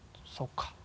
そうか。